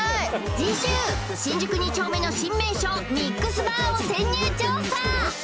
次週新宿二丁目の新名所ＭＩＸＢＡＲを潜入調査